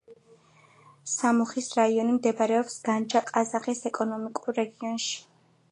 სამუხის რაიონი მდებარეობს განჯა-ყაზახის ეკონომიკურ რეგიონში.